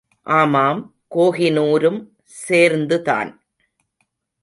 ஆமாம் கோஹினூரும் சேர்ந்துதான்!.